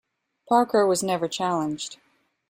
Parker was never challenged.